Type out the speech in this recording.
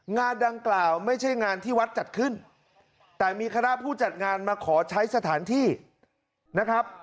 งานดังกล่าวไม่ใช่งานที่วัดจัดขึ้นแต่มีคณะผู้จัดงานมาขอใช้สถานที่นะครับ